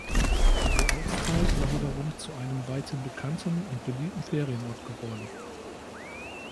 Der Ortsteil war wiederum zu einem weithin bekannten und beliebten Ferienort geworden.